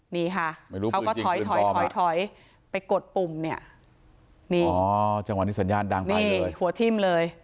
นี่ค่ะเขาก็ถอยถอยถอยไปกดปุ่มเนี่ยนี่อ๋อจังหวะนี้สัญญาณดังนี่หัวทิ่มเลย